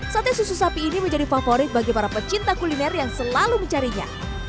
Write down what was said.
sate susu sapi ini menjadi favorit bagi para pecinta kuliner yang selalu mencarinya